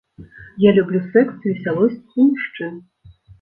Я люблю сэкс, весялосць і мужчын.